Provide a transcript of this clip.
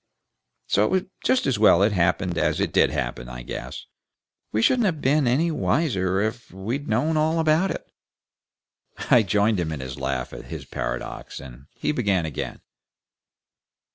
So it's just as well it happened as it did happen, I guess. We shouldn't have been any the wiser if we'd known all about it." I joined him in his laugh at his paradox, and he began again.